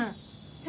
え？